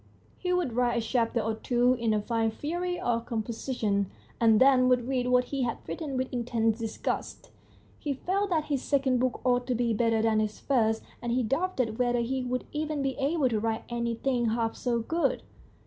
He would write a chapter or two in a fine fury of composition, and then would read what he had written with intense disgust. He felt that his second book ought to be better than his first, and he doubted whether he would even be able to write anything half so good.